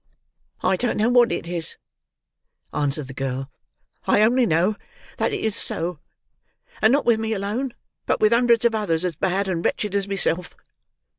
"I don't know what it is," answered the girl; "I only know that it is so, and not with me alone, but with hundreds of others as bad and wretched as myself.